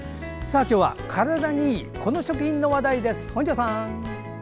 今日は体にいいこの食品の話題です、本庄さん。